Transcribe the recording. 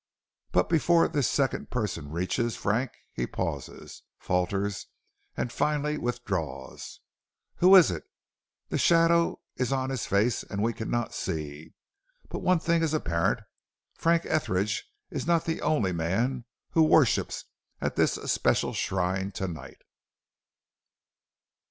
But before this second person reaches Frank he pauses, falters, and finally withdraws. Who is it? The shadow is on his face and we cannot see, but one thing is apparent, Frank Etheridge is not the only man who worships at this especial shrine to night.